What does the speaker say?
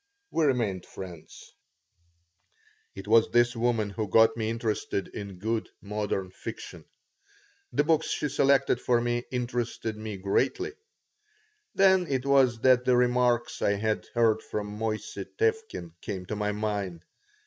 We remained friends It was this woman who got me interested in good, modern fiction. The books she selected for me interested me greatly. Then it was that the remarks I had heard from Moissey Tevkin came to my mind.